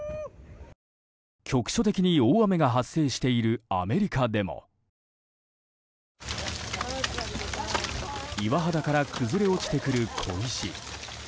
局所的に大雨が発生しているアメリカでも岩肌から崩れ落ちてくる小石。